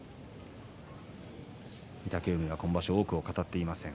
御嶽海は今場所多くを語っていません。